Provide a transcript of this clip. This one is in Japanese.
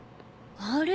あれ？